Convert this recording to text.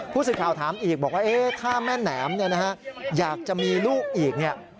ผู้สิทธิ์ข่าวถามอีกบอกว่าถ้าแม่แหนมอยากจะมีลูกอีก